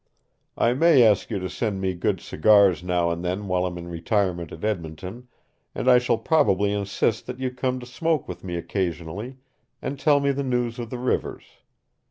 I may ask you to send me good cigars now and then while I'm in retirement at Edmonton, and I shall probably insist that you come to smoke with me occasionally and tell me the news of the rivers.